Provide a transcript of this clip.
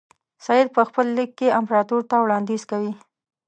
سید په خپل لیک کې امپراطور ته وړاندیز کوي.